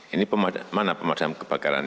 ini mana pemadam kebakaran